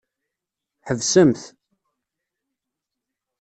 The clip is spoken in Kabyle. Ḥebsem-t.